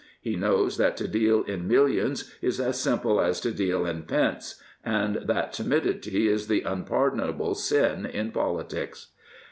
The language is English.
He knows that to deal in millions is as simple as to deal in pence and that timidity is the unpardonable sin in politics.